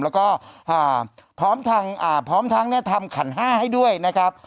แล้วก็พร้อมทั้งทำขันห้าให้ด้วยนะครับ